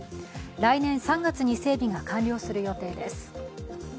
来年３月に整備が完了する予定です